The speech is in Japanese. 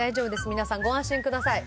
皆さんご安心ください